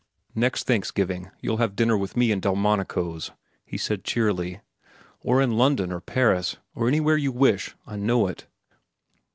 "Next Thanksgiving you'll have dinner with me in Delmonico's," he said cheerily; "or in London, or Paris, or anywhere you wish. I know it."